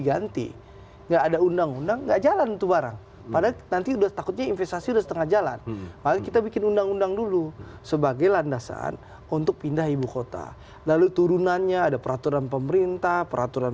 atau sebagai partai pendukung pd perjuangan